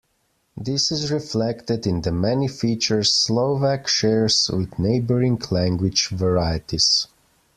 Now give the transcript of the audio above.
This is reflected in the many features Slovak shares with neighboring language varieties.